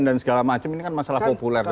dan segala macam ini kan masalah populer